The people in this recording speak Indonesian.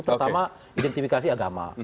pertama identifikasi agama